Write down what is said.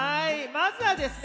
まずはですね